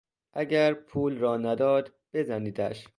اگر پول را نداد بزنیدش!